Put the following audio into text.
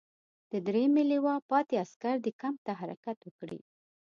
د دریمې لواء پاتې عسکر دې کمپ ته حرکت وکړي.